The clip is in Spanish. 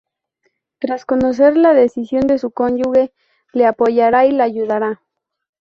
Tras conocer la decisión de su cónyuge, le apoyará y le ayudará.